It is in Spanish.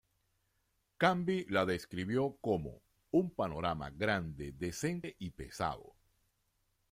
Canby la describió como "un panorama grande, decente y pesado".